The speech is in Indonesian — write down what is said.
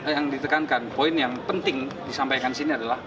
yang ditekankan poin yang penting disampaikan di sini adalah